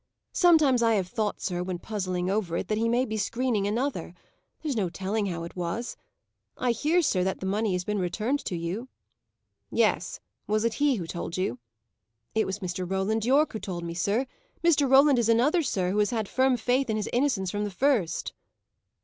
Sometimes I have thought, sir, when puzzling over it, that he may be screening another. There's no telling how it was. I hear, sir, that the money has been returned to you." "Yes. Was it he who told you?" "It was Mr. Roland Yorke who told me, sir. Mr. Roland is another, sir, who has had firm faith in his innocence from the first."